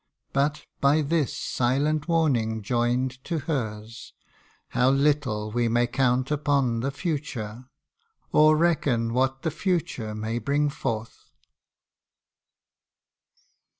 But, by this silent warning joined to hers, How little we may count upon the future, Or reckon what that future may bring forth